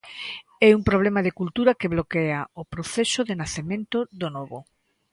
É un problema de cultura que bloquea o proceso de nacemento do novo.